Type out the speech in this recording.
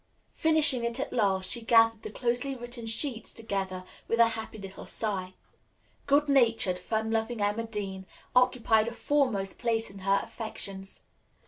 Finishing it at last, she gathered the closely written sheets together with a happy little sigh. Good natured, fun loving Emma Dean occupied a foremost place in her affections.